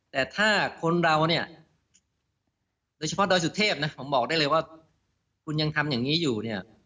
แต่ถ้าคนเราเนี่ยโดยเฉพาะดอยสุเทพนะผมบอกได้เลยว่าคุณยังทำอย่างนี้อยู่เนี่ย